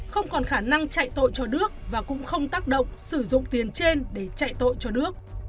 không còn khả năng chạy tội cho đức và cũng không tác động sử dụng tiền trên để chạy tội cho đước